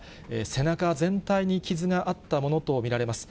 背中全体に傷があったものと見られます。